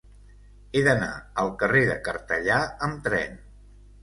He d'anar al carrer de Cartellà amb tren.